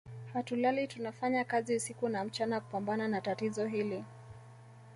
Hatulali tunafanya kazi usiku na mchana kupambana na tatizo hili